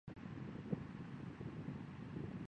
正统十三年九月二十一日戌时出生。